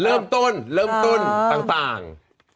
เริ่มต้นต่าง